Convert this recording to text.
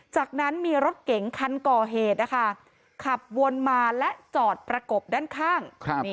จากนั้นมีรถเก๋งคันก่อเหตุนะคะขับวนมาและจอดประกบด้านข้าง